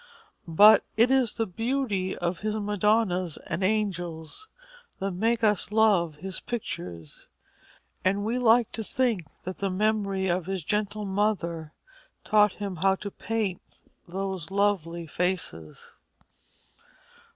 But it is the beauty of his Madonnas and angels that makes us love his pictures, and we like to think that the memory of his gentle mother taught him how to paint those lovely faces.